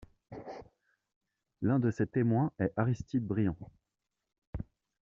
L'un de ses témoins est Aristide Briand.